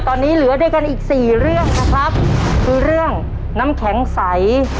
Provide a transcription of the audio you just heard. ตอนนี้เหลือด้วยกันอีกสี่เรื่องนะครับคือเรื่องน้ำแข็งใส